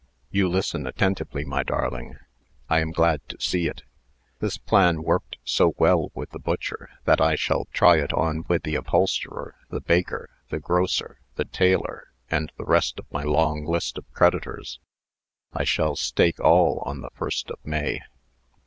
"You listen attentively, my darling. I am glad to see it. This plan worked so well with the butcher, that I shall try it on with the upholsterer, the baker, the grocer, the tailor, and the rest of my long list of creditors. I shall stake all on the 1st of May.